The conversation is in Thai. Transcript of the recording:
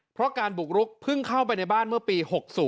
เพราะการบุกรุกเพิ่งเข้าไปในบ้านเมื่อปี๖๐